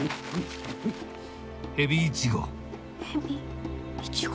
ヘビイチゴ。